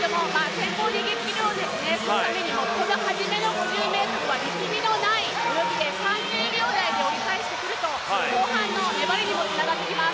スタートダッシュするためにもこのはじめの５０ｍは力みのない泳ぎで３０秒台で折り返してくると、後半の粘りにもつながってきます。